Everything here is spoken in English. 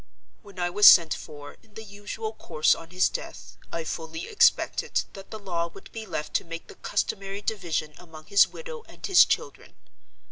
When I was sent for, in the usual course, on his death, I fully expected that the law would be left to make the customary division among his widow and his children.